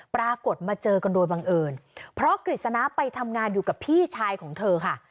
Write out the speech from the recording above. ปรากฏมาเจอกันโดยบังเอิญเพราะกฤษณะไปทำงานอยู่กับพี่ชายของเธอค่ะ